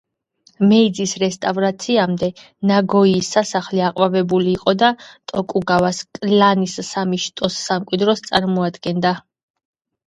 მეიძის რესტავრაციამდე ნაგოიის სასახლე აყვავებული იყო და ტოკუგავას კლანის სამი შტოს სამკვიდროს წარმოადგენდა.